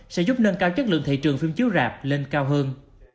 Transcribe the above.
sẽ giúp nâng cao chất lượng thị trường phim chiếu rạp lên cao hơn